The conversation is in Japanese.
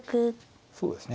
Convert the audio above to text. そうですね